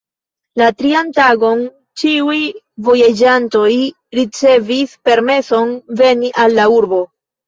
La trian tagon ĉiuj vojaĝantoj ricevis permeson veni al la urbo.